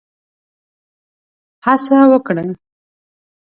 هڅه وکړي.